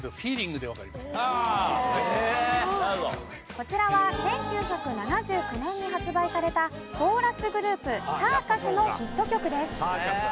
こちらは１９７９年に発売されたコーラスグループサーカスのヒット曲です。